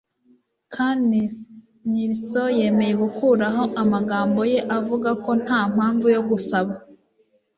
Coun Nilsson yemeye gukuraho amagambo ye avuga ko nta mpamvu yo gusaba